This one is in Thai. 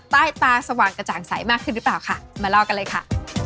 ใต้ตาสว่างกระจ่างใสมากขึ้นหรือเปล่าค่ะมาเล่ากันเลยค่ะ